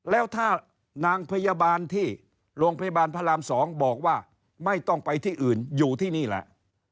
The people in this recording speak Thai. แล้วถ้านางพยาบาลที่โรงพยาบาลพระราม๒บอกว่าไม่ต้องไปที่อื่นอยู่ที่นี่แหละ